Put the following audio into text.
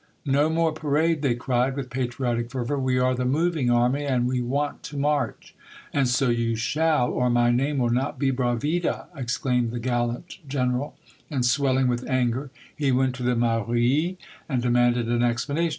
" No more parade !" they cried with patriotic fervor ;" we are the moving army, and we want to march !"*' And so you shall, or my name will not be Bra vida !" exclaimed the gallant general, and swelHng with anger he went to the mairie, and demanded an explanation.